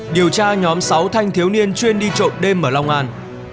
điều tra nhóm sáu thanh thiếu niên chuyên đi trộm đêm ở long an